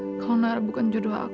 bk kau selalu terima saya